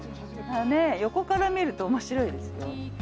横から見るとおもしろいですよ。